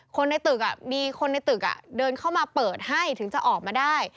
คนในตึกมีคนในตึกเดินเข้ามาเปิดให้ถึงจะออกมาได้